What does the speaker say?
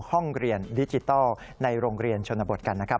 ห้องเรียนดิจิทัลในโรงเรียนชนบทกันนะครับ